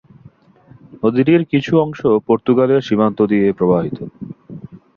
নদীটির কিছু অংশ পর্তুগালের সীমান্ত দিয়ে প্রবাহিত।